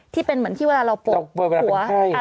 ที่เป็นเหมือนที่เวลาเราปวดหัว